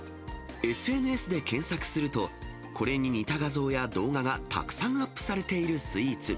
ＳＮＳで検索すると、これに似た画像や動画がたくさんアップされているスイーツ。